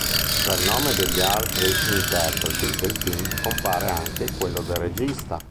Tra il nome degli altri interpreti del film compare anche quello del regista.